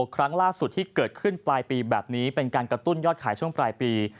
ครั้งล่าสุดที่เกิดขึ้นปลายปีแบบนี้เป็นการกระตุ้นยอดขายช่วงปลายปี